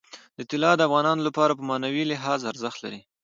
طلا د افغانانو لپاره په معنوي لحاظ ارزښت لري.